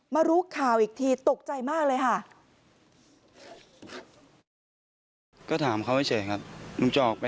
รู้ข่าวอีกทีตกใจมากเลยค่ะ